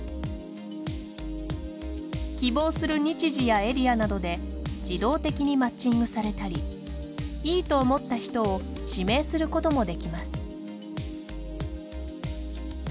希望する日時やエリアなどで自動的にマッチングされたりいいと思った人を指名することもできます。